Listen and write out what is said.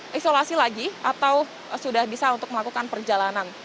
isolasi lagi atau sudah bisa untuk melakukan perjalanan